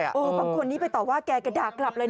บางคนนี่ไปตอบว่าแกก็ดาวงกลับอยู่เลย